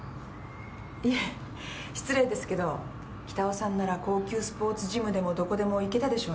いえ失礼ですけど北尾さんなら高級スポーツジムでもどこでも行けたでしょうに。